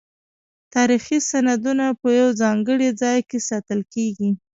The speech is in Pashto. تاریخي سندونه په یو ځانګړي ځای کې ساتل کیږي.